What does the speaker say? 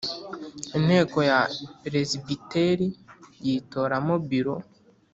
Inteko ya Peresibiteri yitoramo Biro